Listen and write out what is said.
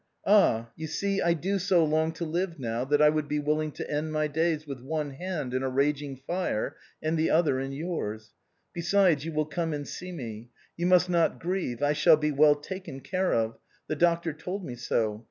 Ah ! you see I do so long to live now, that I would be willing to end my days with one hand in a raging fire and the other in yours. Besides, j^ou will come and see me. You must not grieve, I shall be well taken care of: the doctor told me so.